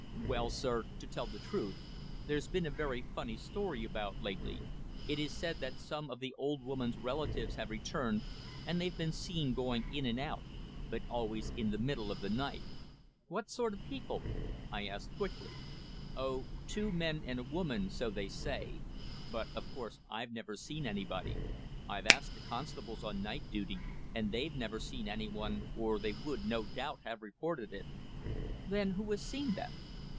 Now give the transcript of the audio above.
"Well, sir, to tell the truth, there's been a very funny story about lately. It is said that some of the old woman's relatives have returned, and they've been seen going in and out but always in the middle of the night." "What sort of people?" I asked quickly. "Oh! two men and a woman so they say. But of course I've never seen anybody. I've asked the constables on night duty, and they've never seen any one, or they would, no doubt, have reported it." "Then who has seen them?"